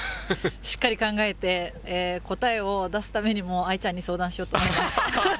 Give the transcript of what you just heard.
しっかり考えて、答えを出すためにも、藍ちゃんに相談しようかなと思います。